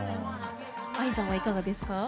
ＡＩさんは、いかがですか？